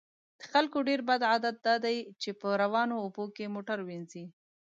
د خلکو ډیر بد عادت دا دی چې په روانو اوبو کې موټر وینځي